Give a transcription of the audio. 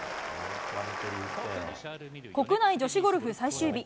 国内女子ゴルフ最終日。